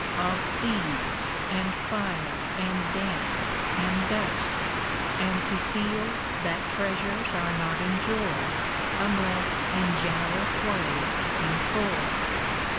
Of thieves and fire and damp and dust, And to feel that treasures are not enjoyed Unless in generous ways employed.